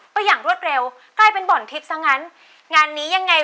อย่างรวดเร็วกลายเป็นบ่อนทิพย์ซะงั้นงานนี้ยังไง